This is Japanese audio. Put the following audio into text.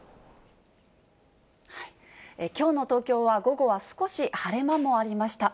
きょうの東京は午後は少し晴れ間もありました。